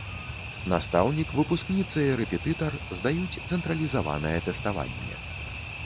Настаўнік, выпускніца і рэпетытар здаюць цэнтралізаванае тэставанне.